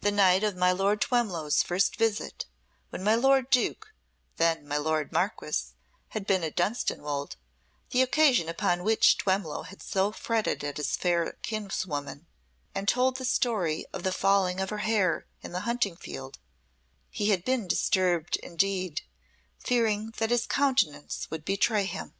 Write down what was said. The night of Lord Twemlow's first visit, when my lord Duke (then my lord Marquis) had been at Dunstanwolde, the occasion upon which Twemlow had so fretted at his fair kinswoman and told the story of the falling of her hair in the hunting field, he had been disturbed indeed, fearing that his countenance would betray him.